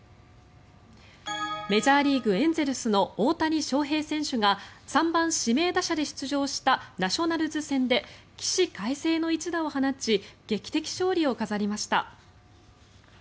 メジャーリーグエンゼルスの大谷翔平選手が３番指名打者で出場したナショナルズ戦で起死回生の一打を放ち劇的勝利を飾りました。